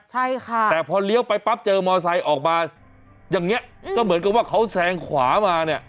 ใช่ค่ะแต่พอเลี้ยวไปปั๊บเจอมอไซค์ออกมาอย่างเงี้ยก็เหมือนกับว่าเขาแซงขวามาเนี่ย